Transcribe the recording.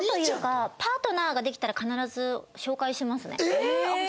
えっ！